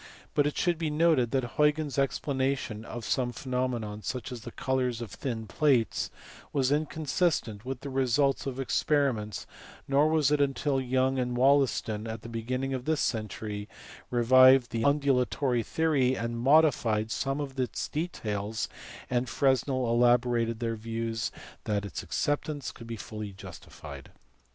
326) ; but it should be noted that Huygens s explanation of some phenomena, such as the colours of thin plates, was inconsistent with the results of experiments, nor was it until Young and Wollaston at the beginning of this century revived the undulatory theory and modified some of its details and Fresnel elaborated their views that its acceptance could be fully justified.